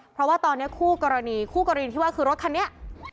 เพราะว่าตอนนี้คู่กรณีคู่กรณีที่ว่าคือรถคันนี้